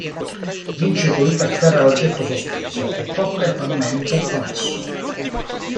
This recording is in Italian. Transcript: Vince colui che afferra l'oggetto sospeso e tocca il pavimento con esso.